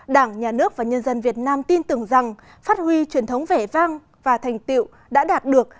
đảng nhà nước và nhân dân việt nam tin tưởng rằng phát huy truyền thống vẻ vang và thành tiệu đã đạt được